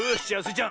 ちゃん